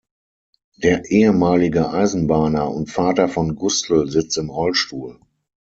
Der ehemalige Eisenbahner und Vater von Gustl sitzt im Rollstuhl.